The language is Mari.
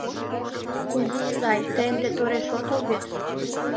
Кузи изай, тый ынде тореш отыл вет?